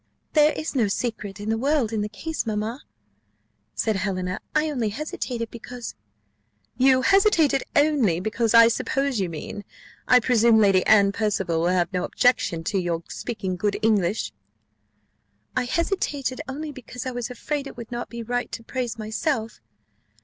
"There is no secret in the world in the case, mamma," said Helena; "I only hesitated because " "You hesitated only because, I suppose you mean. I presume Lady Anne Percival will have no objection to your speaking good English?" "I hesitated only because I was afraid it would not be right to praise myself.